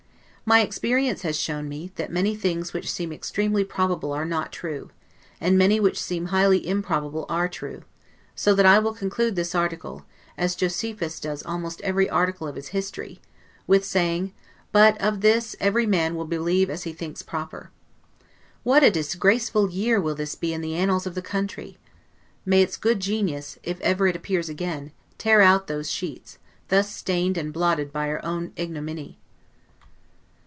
My experience has shown me, that many things which seem extremely probable are not true: and many which seem highly improbable are true; so that I will conclude this article, as Josephus does almost every article of his history, with saying, BUT OF THIS EVERY MAN WILL BELIEVE AS HE THINKS PROPER. What a disgraceful year will this be in the annals of this country! May its good genius, if ever it appears again, tear out those sheets, thus stained and blotted by our ignominy!